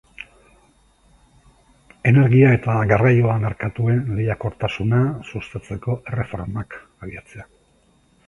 Energia eta garraioa merkatuen lehiakortasuna sustatzeko erreformak abiatzea.